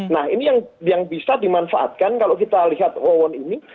nah ini yang bisa dimanfaatkan kalau kita lihat wawon ini